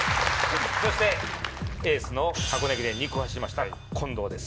そしてエースの箱根駅伝２区を走りました近藤です